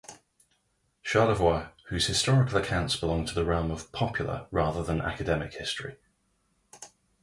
Charlevoix, whose historical accounts belong to the realm of popular rather than academic history.